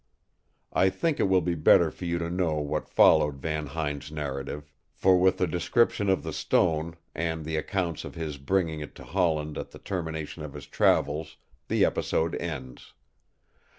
I think it will be better for you to know what followed Van Huyn's narrative; for with the description of the stone, and the account of his bringing it to Holland at the termination of his travels, the episode ends.